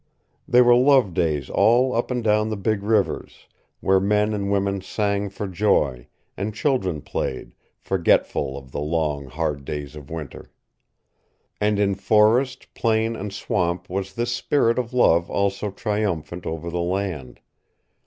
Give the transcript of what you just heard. They were love days all up and down the big rivers, where men and women sang for joy, and children played, forgetful of the long, hard days of winter. And in forest, plain, and swamp was this spirit of love also triumphant over the land.